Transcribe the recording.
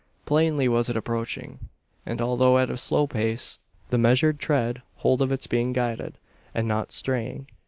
Plainly was it approaching; and, although at a slow pace, the measured tread told of its being guided, and not straying.